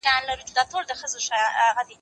زه به سبا کتابتون ته راځم وم؟!